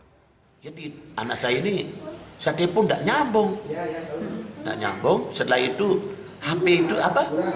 hai jadi anak saya ini saya telepon tak nyambung nyambung setelah itu hp itu apa